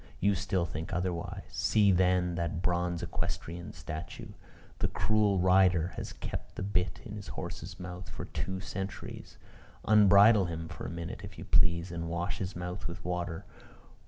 You still think otherwise. See, then, that bronze equestrian statue. The cruel rider has kept the bit in his horse's mouth for two centuries. Unbridle him, for a minute, if you please, and wash his mouth with water.